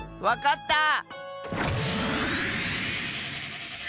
わかった！